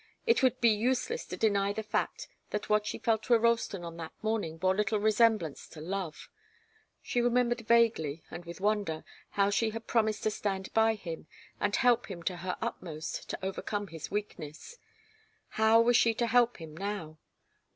It would be useless to deny the fact that what she felt for Ralston on that morning bore little resemblance to love. She remembered vaguely, and with wonder, how she had promised to stand by him and help him to her utmost to overcome his weakness. How was she to help him now?